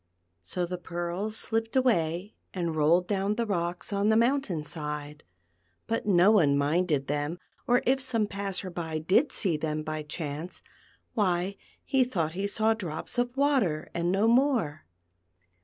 So the pearls slipped away, and rolled down the rocks on the mountain side, but no one minded them, or if some passer by did see them by chance, why he thought he saw drops of water and no more.